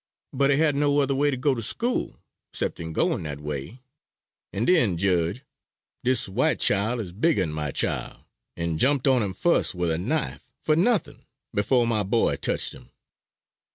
But he had no other way to go to school 'ceptin' gwine dat way; and den jedge, dis white chile is bigger an my chile and jumped on him fust with a knife for nothin', befo' my boy tetched him.